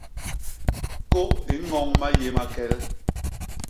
Kôp i ñoñ mayé ma kel.